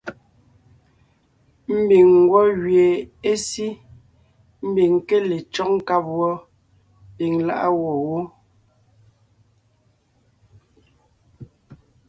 Ḿbiŋ ńgwɔ́ gẅie é sí, ḿbiŋ ńké le cÿɔ́g nkáb wɔ́, piŋ lá’a gwɔ̂ pɔ́ wó.